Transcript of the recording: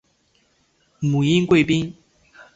母殷贵嫔。